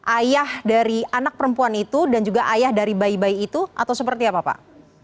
ayah dari anak perempuan itu dan juga ayah dari bayi bayi itu atau seperti apa pak